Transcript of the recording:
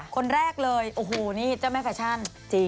คนแรกเลยโอ้โหนี่เจ้าแม่แฟชั่น